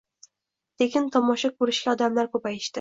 Tekin tomoshsha koʻrishga odamlar koʻpayishdi